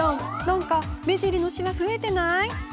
なんか目尻のしわ増えてない？